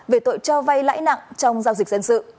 về tội cho vay lãi nặng trong giao dịch dân sự